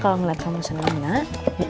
kalau ngeliat kamu seneng nak